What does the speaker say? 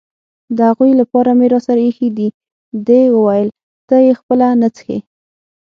د هغوی لپاره مې راسره اېښي دي، دې وویل: ته یې خپله نه څښې؟